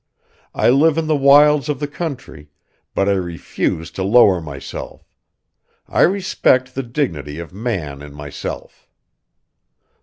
I live in the wilds of the country, but I refuse to lower myself. I respect the dignity of man in myself."